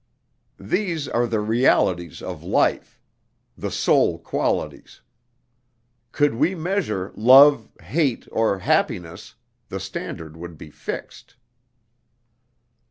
These are the realities of life the soul qualities. Could we measure love, hate, or happiness, the standard would be fixed."